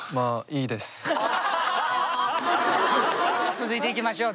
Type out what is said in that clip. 続いていきましょう。